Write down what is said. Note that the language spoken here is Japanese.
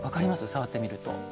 触ってみると。